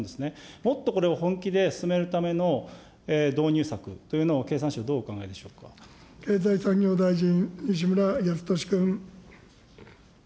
もっとこれを本気で進めるための導入策というのを経産相、経済産業大臣、西村康稔君。